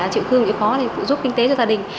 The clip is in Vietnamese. chịu khương yếu khó để giúp kinh tế cho gia đình